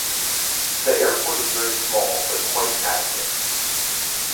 The airport is very small but quite adequate.